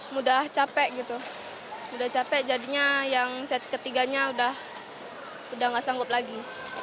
mudah capek gitu udah capek jadinya yang set ketiganya udah gak sanggup lagi